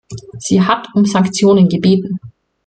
Sie hat um Sanktionen gebeten.